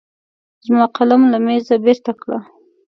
زما قلم له مېزه بېرته کړه.